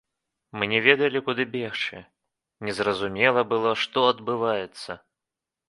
Мы не ведалі, куды бегчы, не зразумела было, што адбываецца.